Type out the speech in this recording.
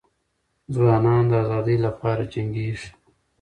ځوانان د ازادۍ لپاره جنګیږي.